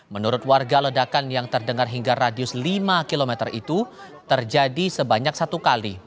menurut warga ledakan yang terdengar hingga radius lima km itu terjadi sebanyak satu kali